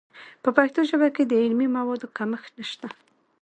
په پښتو ژبه کې د علمي موادو کمښت نشته.